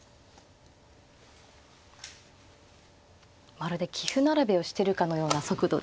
まるで棋譜並べをしてるかのような速度で。